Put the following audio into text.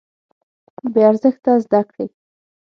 بې ارزښته زده کړې.